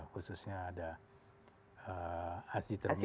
khususnya ada asitromisin